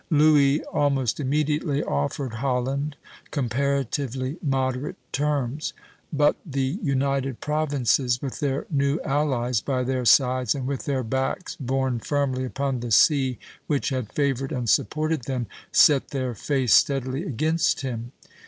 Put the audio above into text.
Louis almost immediately offered Holland comparatively moderate terms; but the United Provinces, with their new allies by their sides and with their backs borne firmly upon the sea which had favored and supported them, set their face steadily against him.